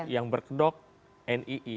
yang berkedok nii